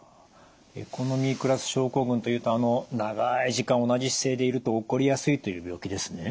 エコノミークラス症候群というとあの長い時間同じ姿勢でいると起こりやすいという病気ですね。